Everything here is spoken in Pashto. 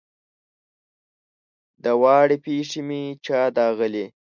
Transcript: دواړې پښې مې چا داغلي